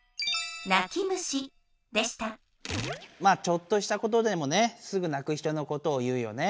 ちょっとしたことでもねすぐなく人のことを言うよね。